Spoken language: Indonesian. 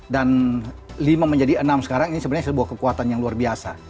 dan lima menjadi enam sekarang ini sebenarnya sebuah kekuatan yang luar biasa